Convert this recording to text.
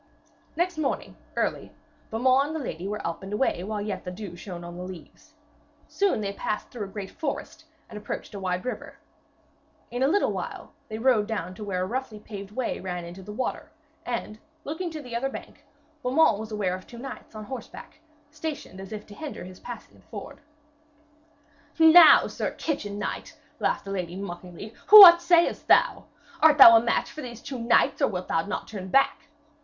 Next morning, early, Beaumains and the lady were up and away while yet the dew shone on the leaves. Soon they passed through a great forest and approached a wide river. In a little while they rode down to where a roughly paved way ran into the water, and, looking to the other bank, Beaumains was aware of two knights on horseback, stationed as if to hinder his passing the ford. 'Now, sir kitchen knight,' laughed the lady mockingly, 'what sayest thou? Art thou a match for these two knights, or wilt thou not turn back?'